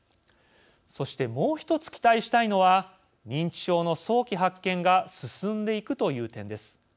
そして、もう１つ期待したいのは認知症の早期発見が進んでいくという点です。